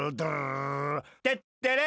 テッテレ！